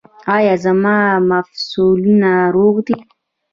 ایا زما مفصلونه روغ دي؟